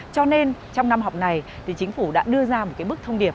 cho nên trong năm học này thì chính phủ đã đưa ra một cái bức thông điệp